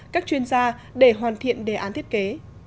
các chuyên gia để hoàn thiện đề án thiết kế